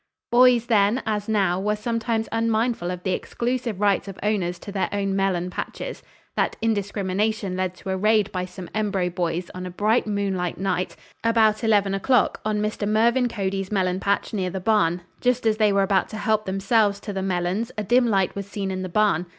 "Boys then, as now, were sometimes unmindful of the exclusive rights of owners to their own melon patches. That indiscrimination led to a raid by some Embro boys on a bright moonlight night, about eleven o'clock, on Mr. Mervin Cody's melon patch, near the barn. Just as they were about to help themselves to the melons a dim light was seen in the barn.